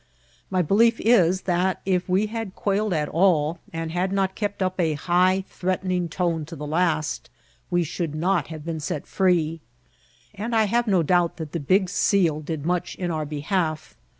My belief is, that if we had quailed at all, and had not kept up a high, threatening tone to the last, we should not have been set free ; and I have no doubt that the big seal did much in our behalf.